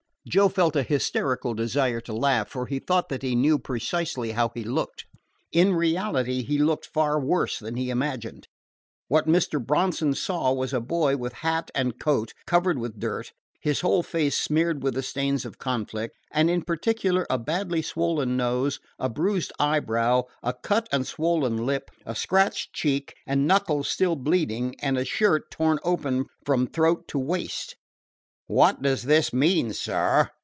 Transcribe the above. Joe felt a hysterical desire to laugh, for he thought that he knew precisely how he looked. In reality he looked far worse than he imagined. What Mr. Bronson saw was a boy with hat and coat covered with dirt, his whole face smeared with the stains of conflict, and, in particular, a badly swollen nose, a bruised eyebrow, a cut and swollen lip, a scratched cheek, knuckles still bleeding, and a shirt torn open from throat to waist. "What does this mean, sir?"